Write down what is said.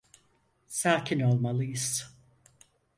Sakin olmalıyız.